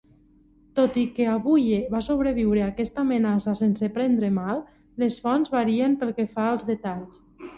Tot i que Abuye va sobreviure a aquesta amenaça sense prendre mal, les fonts varien pel que fa als detalls.